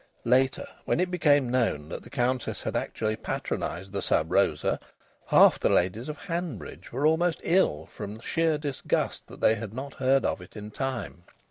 (Later, when it became known that the Countess had actually patronised the Sub Rosa, half the ladies of Hanbridge were almost ill from sheer disgust that they had not heard of it in time.